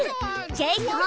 ジェイソン！